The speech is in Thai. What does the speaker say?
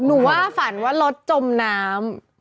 ว่าฝันว่ารถจมน้ำ